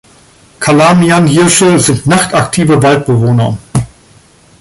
Calamian-Hirsche sind nachtaktive Waldbewohner.